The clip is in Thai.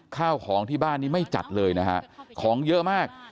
ข้าวของที่บ้านนี้ไม่จัดเลยนะฮะของเยอะมาก